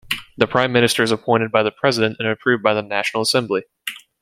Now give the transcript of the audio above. The Prime Minister is appointed by the President and approved by the National Assembly.